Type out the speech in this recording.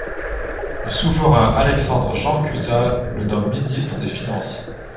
Le souverain Alexandre Jean Cuza le nomme Ministre des Finances.